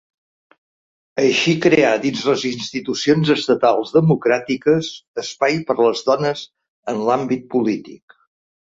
Així creà dins les institucions estatals democràtiques espais per a les dones en l'àmbit polític.